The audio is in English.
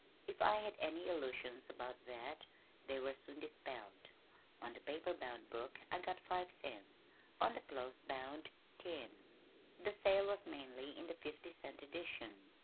If I had any illusions about that they were soon dispelled. On the paper bound book I got five cents, on the cloth bound, ten. The sale was mainly in the fifty cent edition.